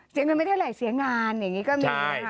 เสียเงินไม่เท่าไหร่เสียงานอย่างนี้ก็มีนะคะ